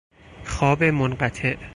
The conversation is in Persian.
خواب منقطع